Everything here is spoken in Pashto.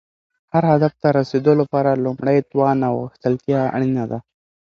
هر هدف ته رسیدو لپاره لومړی توان او غښتلتیا اړینه ده.